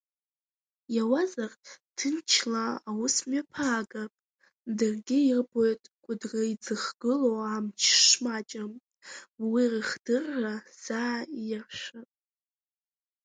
Иауазар, ҭынчла аус мҩаԥаагап, даргьы ирбоит Кәыдры иӡыхгылоу амч шмаҷым, уи рыхдырра заа иаршәып.